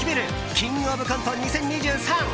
「キングオブコント２０２３」。